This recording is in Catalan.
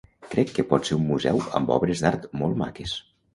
Crec que pot ser un museu amb obres d"art molt maques.